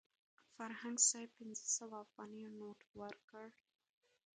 فرهنګ صاحب پنځه سوه افغانیو نوټ ورکړ.